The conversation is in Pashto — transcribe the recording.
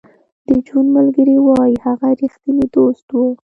د جون ملګري وایی هغه رښتینی دوست و